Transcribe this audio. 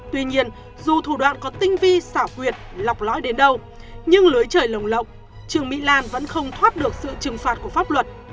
tuy nhiên dù thủ đoạn có tinh vi xảo quyệt lọc lõi đến đâu nhưng lưới trời lồng lộng trương mỹ lan vẫn không thoát được sự trừng phạt của pháp luật